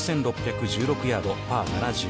６６１６ヤード、パー７２。